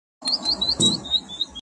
بابر په کابل کي پاچهي کوله.